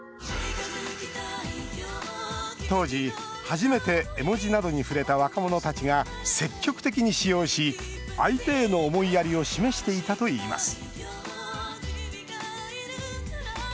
当時、初めて絵文字などに触れた若者たちが積極的に使用し相手への思いやりを示していたといいます